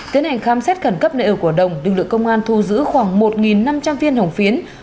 tiến hành khám xét khẩn cấp nợ của đồng lực lượng công an thu giữ khoảng một năm trăm linh viên hồng phiến